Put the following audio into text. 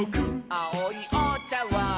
「あおいおちゃわん」